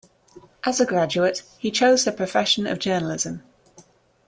As a graduate he chose the profession of journalism.